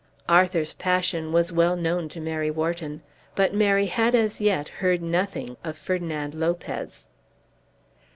Arthur's passion was well known to Mary Wharton, but Mary had as yet heard nothing of Ferdinand Lopez.